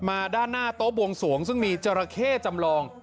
ด้านหน้าโต๊ะบวงสวงซึ่งมีจราเข้จำลอง